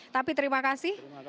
tapi terima kasih